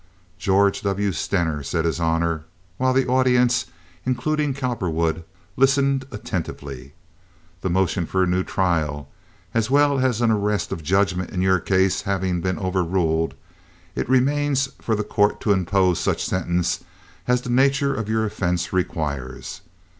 "George W. Stener," said his honor, while the audience, including Cowperwood, listened attentively. "The motion for a new trial as well as an arrest of judgment in your case having been overruled, it remains for the court to impose such sentence as the nature of your offense requires.